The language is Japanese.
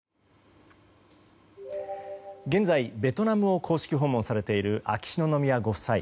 現在ベトナムを公式訪問されている秋篠宮ご夫妻。